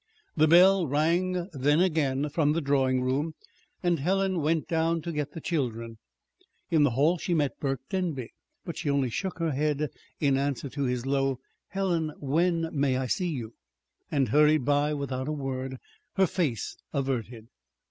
The bell rang then again from the drawing room, and Helen went down to get the children. In the hall she met Burke Denby; but she only shook her head in answer to his low "Helen, when may I see you?" and hurried by without a word, her face averted.